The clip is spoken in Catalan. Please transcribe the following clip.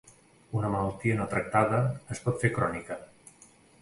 Una malaltia no tractada es pot fer crònica.